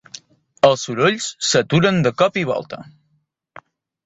Els sorolls s'aturen de cop i volta.